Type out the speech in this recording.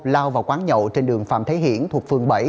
lao vào quán nhậu trên đường phạm thế hiển thuộc phường bảy